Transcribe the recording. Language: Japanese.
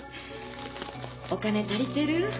お金足りてる？